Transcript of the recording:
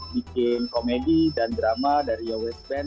bikin komedi dan drama dari yowes band